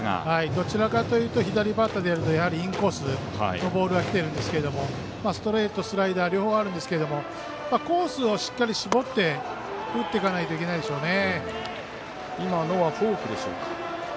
どちらかというと左バッターでいうとインコースのボールが来てるんですけどストレート、スライダー両方あるんですけどコースをしっかり絞って打っていかないといけないでしょうね。